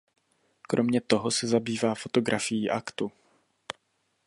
Kromě toho se zabývá fotografií aktu.